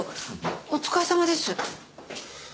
お疲れさまです。